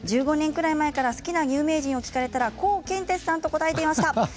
１５年ぐらい前から好きな有名人を聞かれたコウケンテツさんと答えていました。